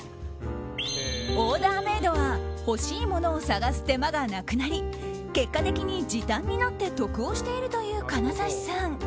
オーダーメイドは欲しいものを探す手間がなくなり結果的に時短になって得をしているという金指さん。